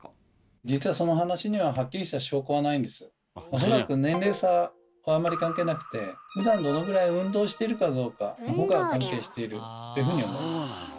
恐らく年齢差はあんまり関係なくてふだんどのぐらい運動してるかどうかのほうが関係しているというふうに思います。